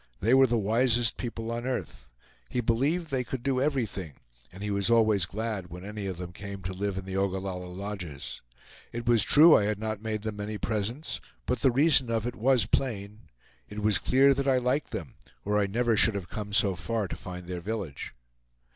They were the wisest people on earth. He believed they could do everything, and he was always glad when any of them came to live in the Ogallalla lodges. It was true I had not made them many presents, but the reason of it was plain. It was clear that I liked them, or I never should have come so far to find their village."